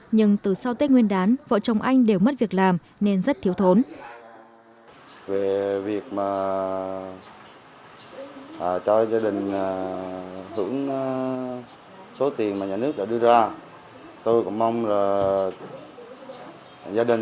nhưng từ sau tết nguyên đán vợ chồng anh đều mất việc làm nên rất thiếu thốn